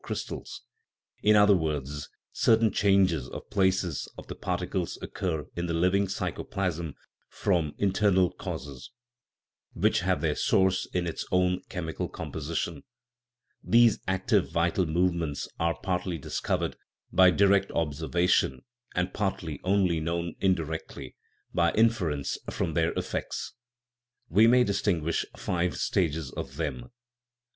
crystals) ; in other words, certain changes of place of the particles occur in the living psychoplasm from internal causes, which have their source in its own chemical composition. These active vital movements are partly discovered by direct observation and partly only known indirectly, by inference from their effects. We may distinguish five stages of them.